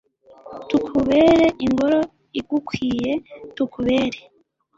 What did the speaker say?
tukubere ingoro igukwiye, tukubere